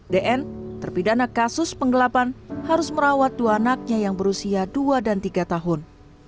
dn terpidana kasus penggelapan harus merawat dua anaknya yang berusia dua dan tiga tahun